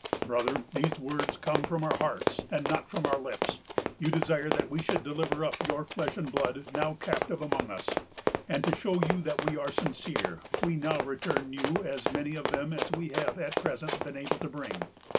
"Brother, these words come from our hearts, and not from our lips. You desire that we should deliver up your flesh and blood now captive among us; and, to show you that we are sincere, we now return you as many of them as we have at present been able to bring.